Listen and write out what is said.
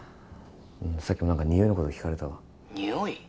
さっきも何かにおいのこと聞かれたわ☎におい？